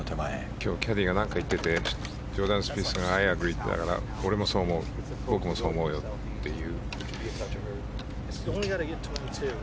今日キャディーが何か言っていてジョーダン・スピースが言ったら俺もそう思う僕もそう思うよという。